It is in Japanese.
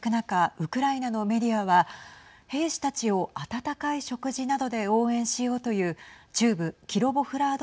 ウクライナのメディアは兵士たちを温かい食事などで応援しようという中部、キロボフラード